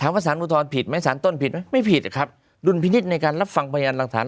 ว่าสารอุทธรณผิดไหมสารต้นผิดไหมไม่ผิดอะครับดุลพินิษฐ์ในการรับฟังพยานหลักฐาน